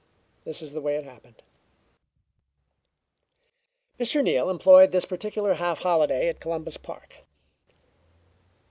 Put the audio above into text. This is the way it happened. Mr. Neal employed this particular half holiday at Columbus Park.